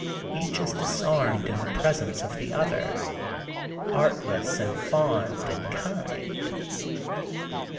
Each is disarmed in the presence of the other, artless and fond and kind.